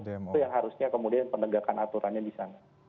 itu yang harusnya kemudian penegakan aturannya di sana